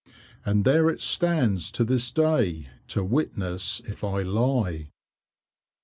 And there it stands to this day to witness if I lie.